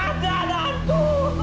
ada ada hantu